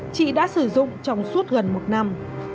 chị đã sử dụng trong suốt gần một năm